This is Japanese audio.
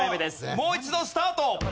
もう一度スタート！